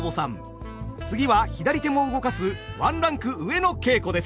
次は左手も動かすワンランク上の稽古です。